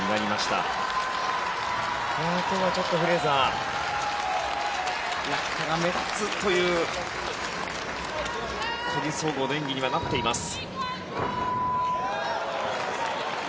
ただ、ちょっとフレーザー落下が目立つという個人総合の演技にはなっています。